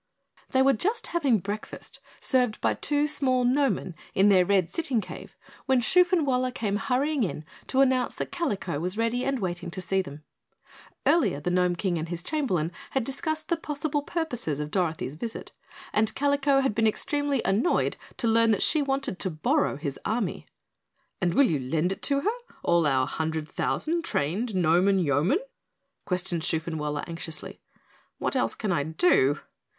They were just having breakfast, served by two small gnomen in their red sitting cave, when Shoofenwaller came hurrying in to announce that Kalico was ready and waiting to see them. Earlier the Gnome King and his Chamberlain had discussed the possible purposes of Dorothy's visit and Kalico had been extremely annoyed to learn that she wanted to borrow his army. "And you will lend it to her, all our hundred thousand trained Gnomen Yoemen?" questioned Shoofenwaller anxiously. "What else can I do?"